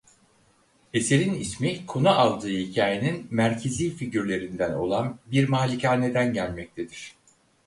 Eserin ismi konu aldığı hikâyenin merkezî figürlerinden olan bir malikâneden gelmektedir.